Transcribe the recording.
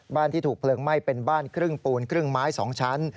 ที่ถูกเพลิงไหม้เป็นบ้านครึ่งปูนครึ่งไม้๒ชั้น